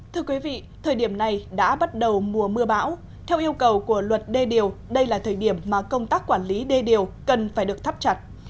thưa quý vị thời điểm này đã bắt đầu mùa mưa bão theo yêu cầu của luật đê điều đây là thời điểm mà công tác quản lý đê điều cần phải được thắp chặt